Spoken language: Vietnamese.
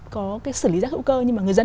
có cái xử lý rác hữu cơ nhưng mà người dân